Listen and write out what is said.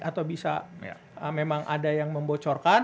atau bisa memang ada yang membocorkan